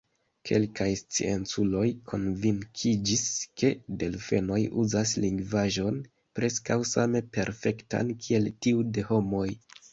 Kelkaj scienculoj konvinkiĝis, ke delfenoj uzas lingvaĵon preskaŭ same perfektan, kiel tiu de homoj.